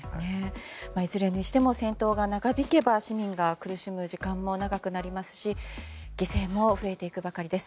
いずれにしても戦闘が長引けば市民が苦しむ時間も長くなりますし犠牲も増えていくばかりです。